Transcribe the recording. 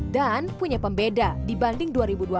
dan punya pembeda dibanding dua ribu dua puluh